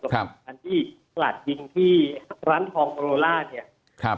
อันที่กลาดยิงที่ร้านทองโรล่าเนี่ยครับ